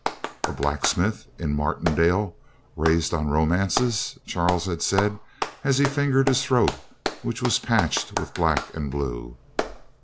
"A blacksmith in Martindale raised on romances?" Charles had said as he fingered his throat, which was patched with black and blue.